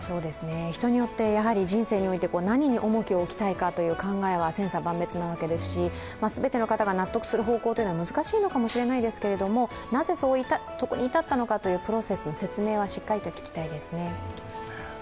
人によって、やはり人生において何に重きを置きたいかは考えは千差万別なわけですし全ての方が納得する方向は難しいのかもしれないですけど、なぜそういったことに至ったのかのプロセスの説明はしっかり聞きたいですね。